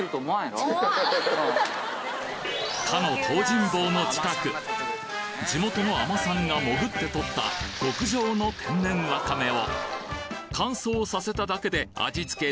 かの東尋坊の近く地元の海女さんが潜ってとった極上の天然わかめを乾燥させただけで味付け